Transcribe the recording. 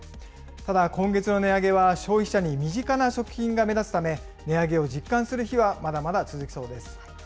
ただ、今月の値上げは、消費者に身近な食品が目立つため、値上げを実感する日はまだまだ続きそうです。